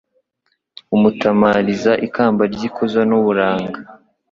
umutamiriza ikamba ry’ikuzo n’uburanga